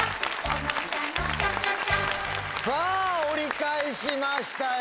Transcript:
さぁ折り返しましたよ！